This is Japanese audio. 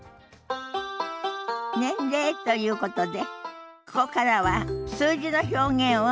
年齢ということでここからは数字の表現を覚えましょ。